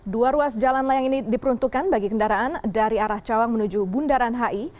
dua ruas jalan layang ini diperuntukkan bagi kendaraan dari arah cawang menuju bundaran hi